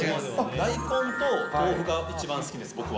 大根と豆腐が一番好きです、僕は。